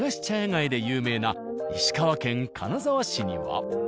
街で有名な石川県金沢市には。